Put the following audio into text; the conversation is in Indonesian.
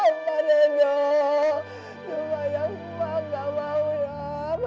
nenek cuma yang sama gak mau ya